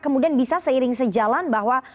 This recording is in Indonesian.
kemudian bisa seiring sejalan bahwa